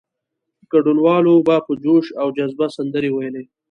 ګډونوالو به په جوش او جذبه سندرې ویلې.